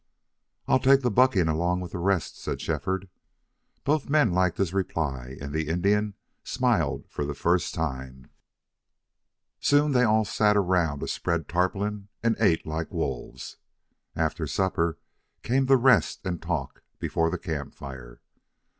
"I'll take the bucking along with the rest," said Shefford. Both men liked his reply, and the Indian smiled for the first time. Soon they all sat round a spread tarpaulin and ate like wolves. After supper came the rest and talk before the camp fire.